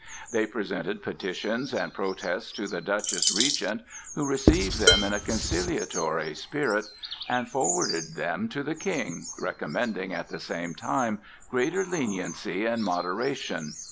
They presented petitions and protests to the Duchess Regent who received them in a conciliatory spirit, and forwarded them to the King, recommending at the same time greater leniency and moderation.